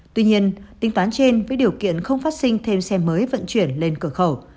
tuy nhiên tính toán trên với điều kiện không phát sinh thêm xe mới vận chuyển lên cửa khẩu